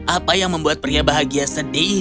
apa yang membuat pria bahagia sedih